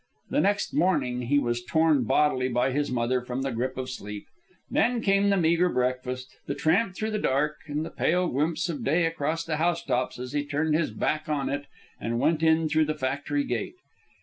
The next morning he was torn bodily by his mother from the grip of sleep. Then came the meagre breakfast, the tramp through the dark, and the pale glimpse of day across the housetops as he turned his back on it and went in through the factory gate.